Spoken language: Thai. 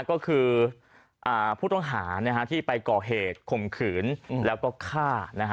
ก็คือผู้ต้องหาที่ไปก่อเหตุข่มขืนแล้วก็ฆ่านะฮะ